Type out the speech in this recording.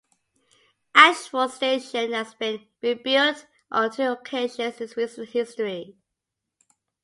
Ashford station has been rebuilt on two occasions in recent history.